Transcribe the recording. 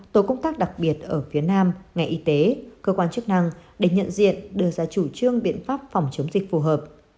tổ công tác đặc biệt ở phía nam ngành y tế cơ quan chức năng để nhận diện đưa ra chủ trương biện pháp phòng chống dịch phù hợp